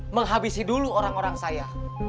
menghabisi dulu orang orang saya